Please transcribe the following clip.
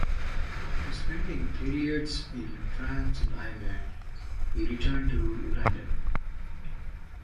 After spending periods in France and Ireland, he returned to London.